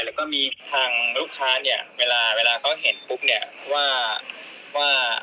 แล้วก็มีทางลูกค้าเนี่ยเวลาเวลาเขาเห็นปุ๊บเนี่ยว่าว่า